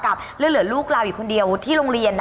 เหลือลูกเราอยู่คนเดียวที่โรงเรียน